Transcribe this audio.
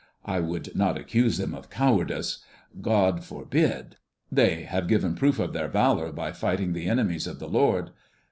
I would not accuse them of cowardice; God forbid! They have given proof of their valor by fighting the enemies of the Lord.